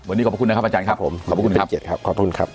วันนี้ขอบคุณนะครับอาจารย์ครับขอบคุณครับขอบคุณครับขอบคุณครับ